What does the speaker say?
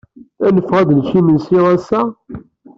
Ad neffeɣ ad nečč imensi ass-a?